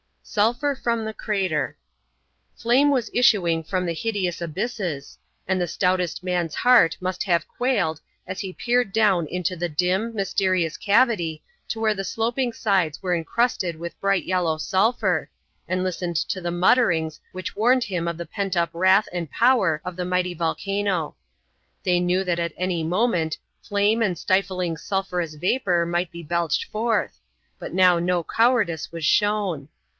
SULPHUR FROM THE CRATER Flame was issuing from the hideous abysses, and the stoutest man's heart must have quailed as he peered down into the dim, mysterious cavity to where the sloping sides were crusted with bright yellow sulphur, and listened to the mutterings which warned him of the pent up wrath and power of the mighty volcano. They knew that at any moment flame and stifling sulphurous vapor might be belched forth, but now no cowardice was shown.